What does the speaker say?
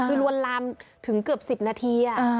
คือลวนลามถึงเกือบ๑๐นาที